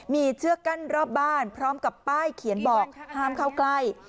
มีเชือกกั้นรอบบ้านพร้อมกับป้ายเขียนบอกห้ามเข้าใกล้